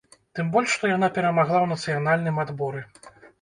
Тым больш што яна перамагла ў нацыянальным адборы.